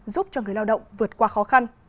giúp cho người lao động vượt qua khó khăn